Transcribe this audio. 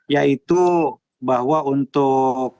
yaitu bahwa untuk